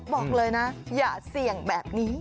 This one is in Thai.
บอกเลยนะอย่าเสี่ยงแบบนี้